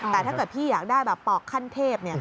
แต่ถ้าเกิดพี่อยากได้แบบปอกขั้นเทพ